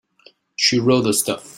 She wrote the stuff.